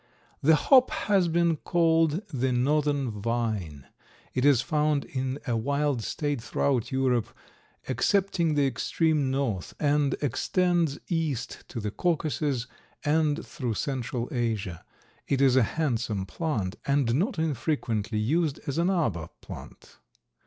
The hop has been called the northern vine. It is found in a wild state throughout Europe, excepting the extreme north, and extends east to the Caucasus and through central Asia. It is a handsome plant and not infrequently used as an arbor plant.